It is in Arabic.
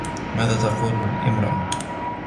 ماذا تقول الإمرأة ؟